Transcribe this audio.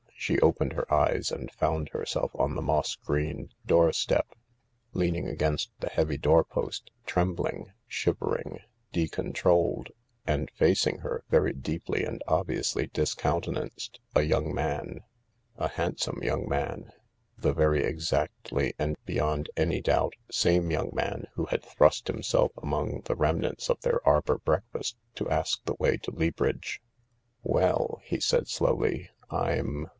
She opened her eyes and found herself on the moss greened door step, leaning against the heavy doorpost, trembling, shivering, decontrolled, and facing her, very deeply and obviously discountenanced, a young man — a handsome young man — the very exactly and beyond any doubt same young man who had thrust himself among the remnants of their arbour breakfast to ask the way to Leabridge. " Well," he said slowly, " I'm